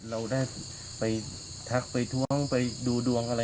เราได้ไปทักไปท้วงไปดูดวงอะไร